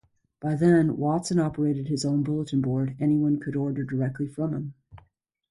By then, Watson operated his own bulletin board; anyone could order directly from him.